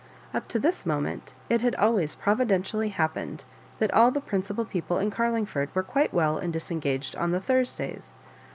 Up to this moment it had always providentially happened that all the prin cipal people in Carlingford were quite well and disengaged on the Thursdays.